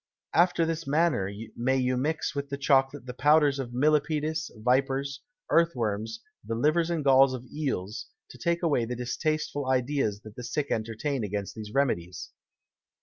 After this manner may you mix with the Chocolate the Powders of Millepedes, Vipers, Earthworms, the Livers and Galls of Eels, to take away the distasteful Ideas that the Sick entertain against these Remedies.